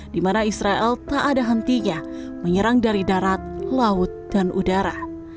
di mana israel tak ada hentinya menyerang dari darat laut dan udara